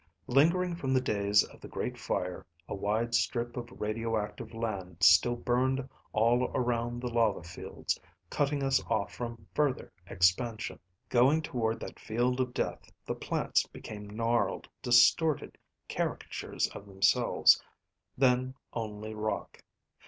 Lingering from the days of the Great Fire, a wide strip of radioactive land still burned all around the lava fields, cutting us off from further expansion. "Going toward that field of death, the plants became gnarled, distorted caricatures of themselves. Then only rock.